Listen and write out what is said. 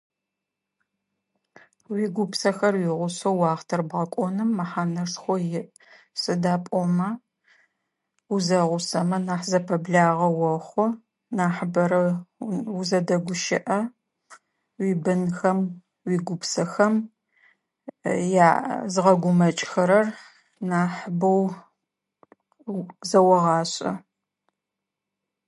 Уи гупсэхэр уигъусэу охътэр бгъэкӏоным махана шхъо иӏ. Сыда пӏомэ узэгъусэмэ нахь зэпэблагъэ охъу нахъ бэрэ узэдэгущэӏэ. Уи бынхэм уи гупсэхэм яа зэгъэгумэкӏхэрэр нахъ бэу зэогъэшӏэ.